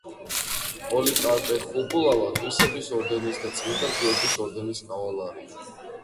პოლიკარპე ხუბულავა ღირსების ორდენის და წმინდა გიორგის ორდენის კავალერია.